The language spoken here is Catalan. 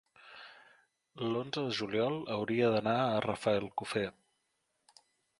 L'onze de juliol hauria d'anar a Rafelcofer.